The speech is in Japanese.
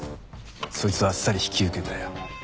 そいつはあっさり引き受けたよ。